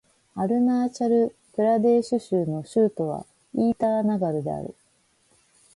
アルナーチャル・プラデーシュ州の州都はイーターナガルである